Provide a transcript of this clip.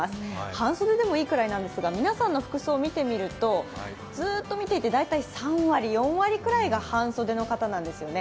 半袖でもいいくらいなんですが皆さんの服装を見てみるとずっと見ていて大体３割４割くらいが半袖の方なんですよね。